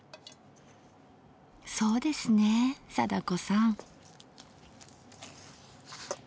そうですねえ貞子さん。